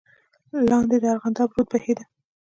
لاندې د ارغنداب رود بهېده.